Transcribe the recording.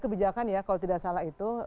kebijakan ya kalau tidak salah itu